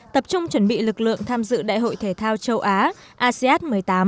tập trung chuẩn bị lực lượng tham dự đại hội thể thao châu á asean một mươi tám